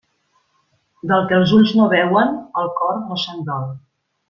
Del que els ulls no veuen, el cor no se'n dol.